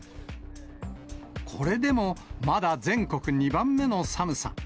これでもまだ全国２番目の寒さ。